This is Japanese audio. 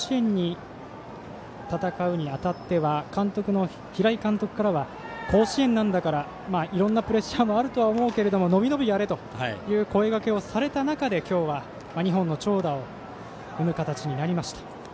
甲子園で戦うにあたっては平井監督からは甲子園なんだからいろんなプレッシャーはあると思うけれども伸び伸び、やれという声がけをされた中で今日は、２本の長打を生む形になりました。